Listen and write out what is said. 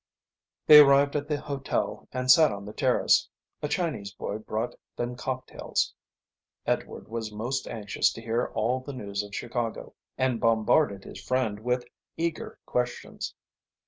They arrived at the hotel and sat on the terrace. A Chinese boy brought them cocktails. Edward was most anxious to hear all the news of Chicago and bombarded his friend with eager questions.